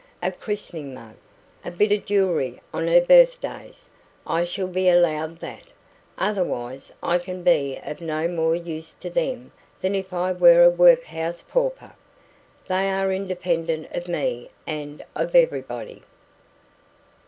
A christening mug, and a bit of jewellery on her birthdays I shall be allowed that; otherwise I can be of no more use to them than if I were a workhouse pauper. They are independent of me and of everybody."